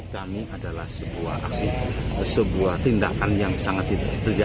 kami adalah sebuah aksi sebuah tindakan yang sangat diperlukan